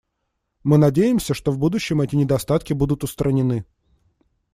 Мы надеемся, что в будущем эти недостатки будут устранены.